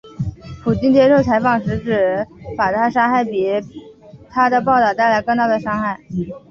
普京接受采访时指把她杀害比她的报导带来更大的伤害。